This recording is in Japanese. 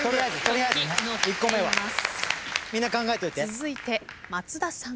続いて松田さん。